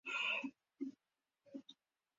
Terrenos de cultivo y baldíos, sobre silicatos.